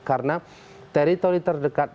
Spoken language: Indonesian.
karena teritori terdekat